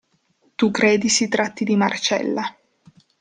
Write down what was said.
Tu credi si tratti di Marcella.